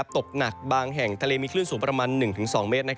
ตกหนักบางแห่งทะเลมีคลื่นสูงประมาณ๑๒เมตร